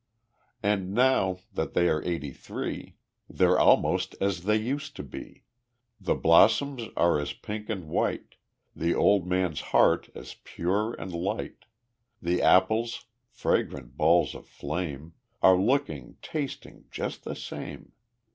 IV And now that they are eighty three They're almost as they used to be. The blossoms are as pink and white, The old man's heart as pure and light. The apples fragrant balls of flame Are looking, tasting, just the same.